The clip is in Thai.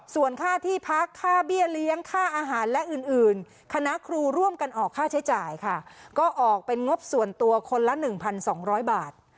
ส่วนค่าที่พักค่าเบี้ยเลี้ยงค่าอาหารและอื่นคณะครูร่วมกันออกค่าใช้จ่ายค่ะก็ออกเป็นงบส่วนตัวคนละ๑๒๐๐บาท